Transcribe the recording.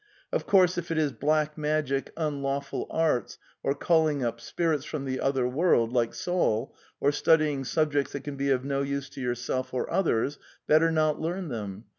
Of course, if it is black magic, unlawful arts, or calling up spirits from the other world, like Saul, or studying subjects that can be of no use to yourself or others, better not learnthem.